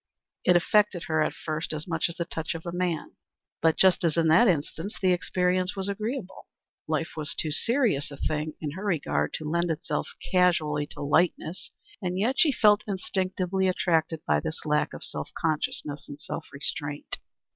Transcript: It affected her at first much as the touch of man; but just as in that instance the experience was agreeable. Life was too serious a thing in her regard to lend itself casually to lightness, and yet she felt instinctively attracted by this lack of self consciousness and self restraint.